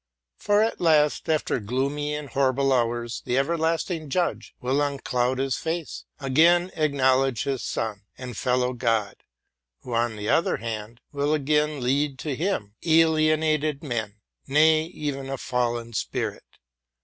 For at last, after gloomy and horrible hours, the everlasting Judge will uncloud his face, again acknowledge his Son and fellow God, who, on the other hand, will again lead to him alienated men, — nay, even a fallen spirit.